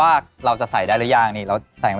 อ่าเดี๋ยวผมใส่ไปเลยครับ